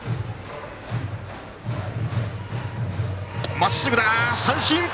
まっすぐ、三振！